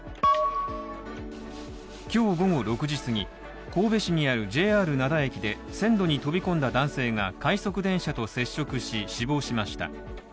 今日午後６時すぎ神戸市にあるＪＲ灘駅で線路に飛び込んだ男性が快速電車と接触し死亡しました。